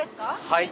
はい。